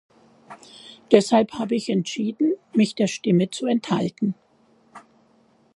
Deshalb habe ich entschieden, mich der Stimme zu enthalten.